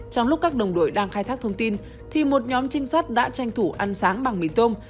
trong lúc các đồng đội đang khai thác thông tin thì một nhóm trinh sát đã tranh thủ ăn sáng bằng mì tôm